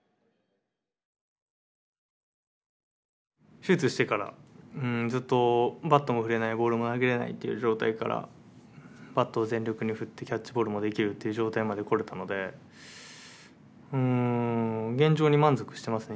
手術してからずっとバットも振れないボールも投げれないっていう状態からバットを全力に振ってキャッチボールもできるっていう状態まで来れたので現状に満足してますね